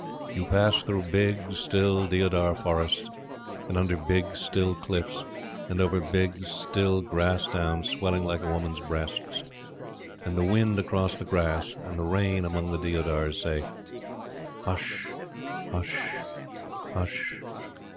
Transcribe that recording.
You pass through big, still deodar forests, and under big, still cliffs, and over big, still grass downs swelling like a woman's breasts; and the wind across the grass, and the rain among the deodars says: "Hush hush hush."